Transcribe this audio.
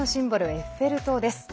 エッフェル塔です。